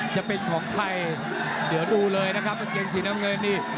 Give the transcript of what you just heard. จะเป็นของใครเดี๋ยวดูเลยนะครับกางเกงสีน้ำเงินนี่